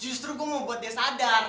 justru gua mau buat dia sadar